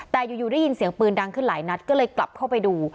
แต่อยู่ได้ยินเสียงปืนดังขึ้นหลายนัดก็เลยกลับเข้าไปดู